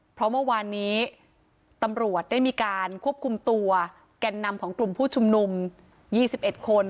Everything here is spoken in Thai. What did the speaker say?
เพราะเมื่อวานนี้ตำรวจได้มีการควบคุมตัวแก่นนำของกลุ่มผู้ชุมนุม๒๑คน